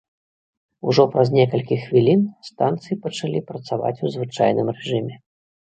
Ужо праз некалькі хвілін станцыі пачалі працаваць у звычайным рэжыме.